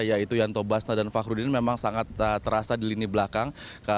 yaitu yanto basna dan fakhrudin memang sangat terasa di lini belakang